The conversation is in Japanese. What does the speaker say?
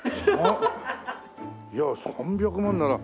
いや３００万なら。